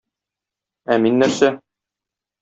Ә мин нәрсә?